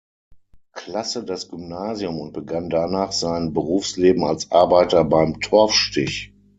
Klasse das Gymnasium und begann danach sein Berufsleben als Arbeiter beim Torfstich.